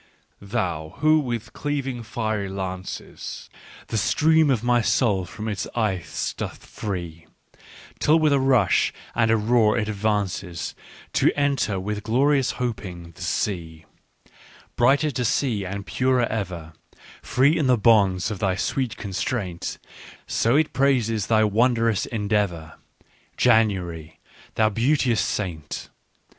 "Thou who with cleaving fiery lances The stream of my soul from its ice dost free, Till with a rush and a roar it advances To enter with glorious hoping the sea : Brighter to see and purer ever, Free in the bonds of thy sweet constraint, — So it praises thy wondrous endeavour, January, thou beauteous saint